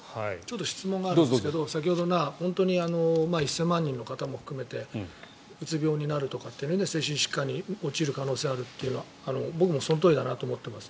質問があるんですが先ほど１０００万人の方も含めてうつ病になるとか精神疾患に陥る可能性があるというのは僕もそのとおりだなと思っています。